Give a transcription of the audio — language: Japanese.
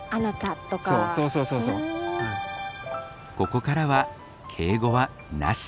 ここからは敬語はなし。